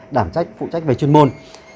đảm phụ trách về chuyên môn